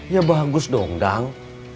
ya bagus dong dang